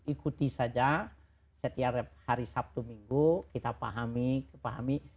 ikuti saja setiap hari sabtu minggu kita pahami pahami